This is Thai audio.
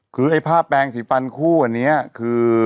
คือไอ้ผ้าแปลงสีฟันคู่อันนี้คือ